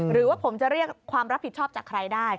หรือว่าผมจะเรียกความรับผิดชอบจากใครได้